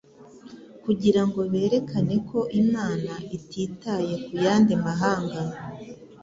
kugira ngo berekane ko Imana ititaye ku yandi mahanga.